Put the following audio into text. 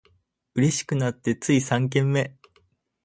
嬉しくなってつい三軒目